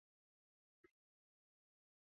طلبا به دلته هم هماغسې پرې راټولېدل.